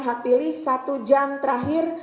hak pilih satu jam terakhir